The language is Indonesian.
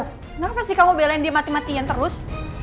kenapa sih kamu belain dia mati matiin terus